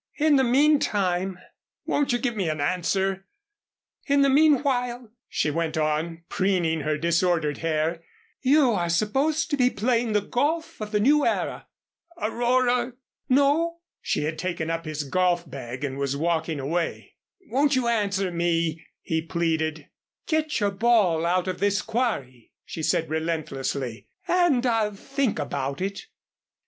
"In the meantime " "Won't you give me an answer?" "In the meanwhile," she went on, preening her disordered hair, "you are supposed to be playing the golf of the New Era " [Illustration: "'You are supposed to be playing the golf of the New Era.'"] "Aurora " "No," she had taken up his golf bag and was walking away. "Won't you answer me?" he pleaded. "Get your ball out of this quarry," she said, relentlessly, "and I'll think about it."